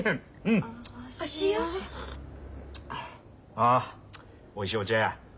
ああおいしいお茶や。